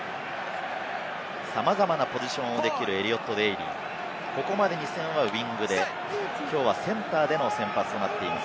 さまざまなポジションをできるエリオット・デイリー、ここまで２戦はウイングで、きょうはセンターでの先発となっています。